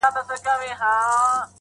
یو څه یاران یو څه غونچې ووینو.!